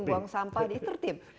buang sampah di tertib